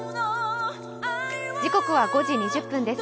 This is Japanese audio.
時刻は５時２０分です。